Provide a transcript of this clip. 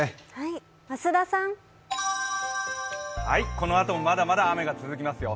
このあと、まだまだ雨が続きますよ。